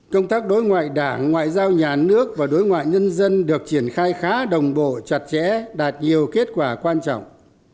công tác đối ngoại đảng ngoại giao nhà nước và đối ngoại nhân dân được triển khai khá đồng bộ chặt chẽ đạt nhiều kết quả quan trọng